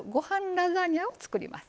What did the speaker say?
ラザニアを作ります。